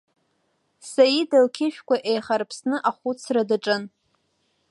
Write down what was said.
Саида лқьышәқәа еихарԥсны ахәыцра даҿын.